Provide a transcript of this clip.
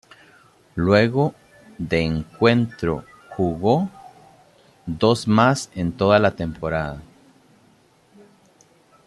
Luego de encuentro jugó dos más en toda la temporada.